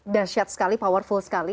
dasyat sekali powerful sekali